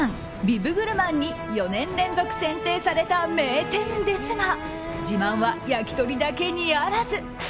ビブグルマンに４年連続選定された名店ですが自慢は焼き鳥だけにあらず。